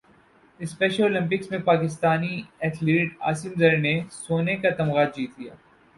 special Olympics میں پاکستانی athlete Asim زر نے سونے کا تمغہ جیت لیا